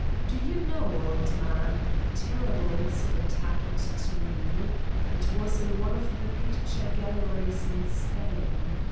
Do you know, old man, a terrible incident happened to me? It was in one of the picture galleries in Spain.